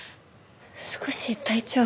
少し体調が。